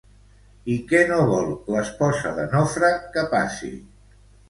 I què no vol l'esposa de Nofre que passi?